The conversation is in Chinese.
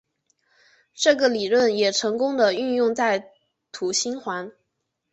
这个理论也成功的运用在土星环。